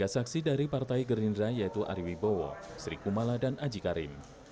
tiga saksi dari partai gerindra yaitu ari wibowo sri kumala dan aji karim